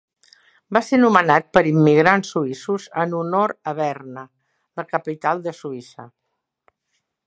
Va ser nomenat per immigrants suïssos en honor a Berna, la capital de Suïssa.